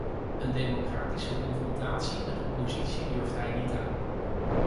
Een democratische confrontatie met de oppositie durft hij niet aan.